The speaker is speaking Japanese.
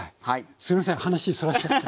すいません話そらしちゃって。